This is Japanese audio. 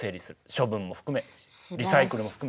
処分も含めリサイクルも含め。